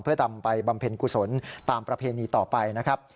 เพื่อนำไปบำเพ็ญกุศลตามประเพณีต่อไปนะครับ